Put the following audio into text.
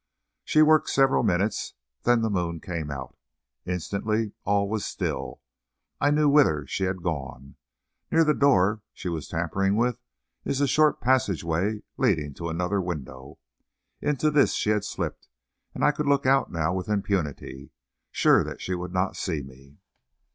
She worked several minutes; then the moon came out. Instantly all was still. I knew whither she had gone. Near the door she was tampering with is a short passageway leading to another window. Into this she had slipped, and I could look out now with impunity, sure that she would not see me.